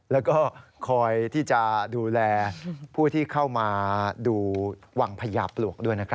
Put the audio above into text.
แล้วก็คอยที่จะดูแลผู้ที่เข้ามาดูวังพญาปลวกด้วยนะครับ